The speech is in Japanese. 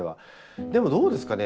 でもどうですかね。